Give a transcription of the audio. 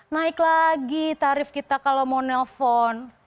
naik lagi tarif kita kalau mau nelfon